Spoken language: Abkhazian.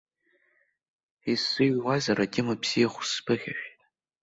Исзыҩуазар атема бзиахә сԥыхьашәеит.